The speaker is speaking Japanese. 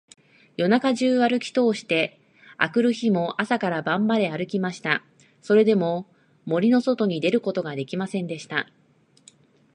夜中じゅうあるきとおして、あくる日も朝から晩まであるきました。それでも、森のそとに出ることができませんでした。